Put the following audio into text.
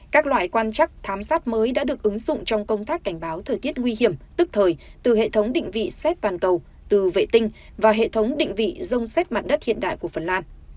các loại quan chắc thám sát mới đã được ứng dụng trong công tác cảnh báo thời tiết nguy hiểm tức thời từ hệ thống định vị xét toàn cầu từ vệ tinh và hệ thống định vị dông xét mặt đất hiện đại của phần lan